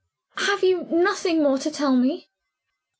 "Have you nothing more to tell me?"